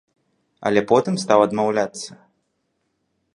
Але потым стаў адмаўляцца.